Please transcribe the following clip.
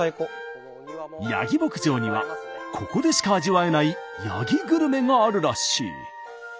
やぎ牧場にはここでしか味わえないやぎグルメがあるらしい。